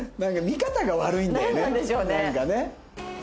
見方が悪いんだよねなんかね。